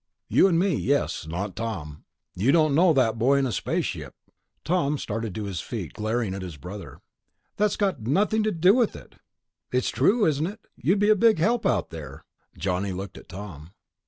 "You and me, yes. Not Tom. You don't know that boy in a spaceship." Tom started to his feet, glaring at his brother. "That's got nothing to do with it...." "It's true, isn't it? You'd be a big help out there." Johnny looked at Tom.